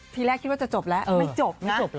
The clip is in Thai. ทีแรกคิดว่าจะจบแล้วไม่จบนะ